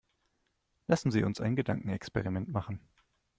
Lassen Sie uns ein Gedankenexperiment machen.